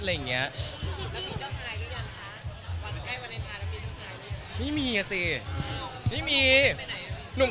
แล้วมีเจ้าชายยังไงนะคะ